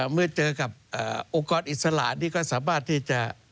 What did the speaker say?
เมื่อเจอกับองค์กรอิสระนี่ก็สามารถที่จะ